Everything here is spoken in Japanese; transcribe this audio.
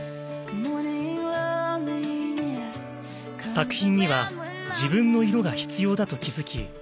作品には自分の色が必要だと気付き